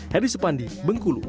heri supandi bengkulu